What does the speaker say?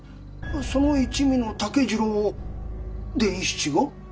その一味の竹次郎を伝七が？